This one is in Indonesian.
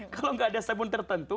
kalau nggak ada sabun tertentu